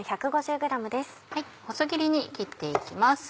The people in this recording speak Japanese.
細切りに切って行きます。